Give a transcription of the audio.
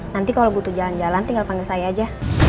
nanti kalau butuh jalan jalan tinggal panggil saya aja